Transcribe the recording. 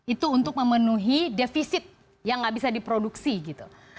itu untuk memenuhi defisit yang nggak bisa diproduksi gitu